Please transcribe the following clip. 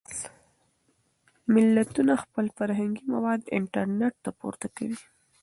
ملتونه خپل فرهنګي مواد انټرنټ ته پورته کوي.